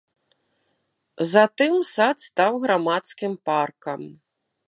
Затым сад стаў грамадскім паркам.